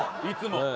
いつも。